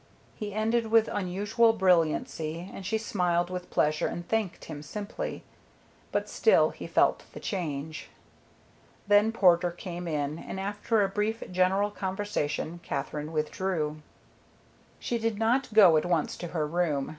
He ended with unusual brilliancy, and she smiled with pleasure and thanked him simply, but still he felt the change. Then Porter came in, and after a brief general conversation Katherine withdrew. She did not go at once to her room.